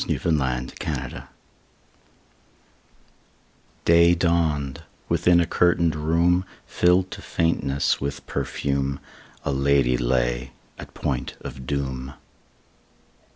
Y Z History of a Life DAY dawned: within a curtained room, Filled to faintness with perfume, A lady lay at point of doom.